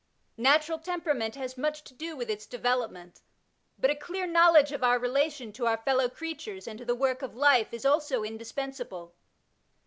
Natural tempera ment has much to do with its development, but a clear knowledge of our relation to our fellow creatures and to the work of life is also indispensable.